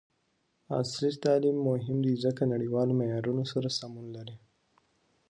عصري تعلیم مهم دی ځکه چې نړیوالو معیارونو سره سمون لري.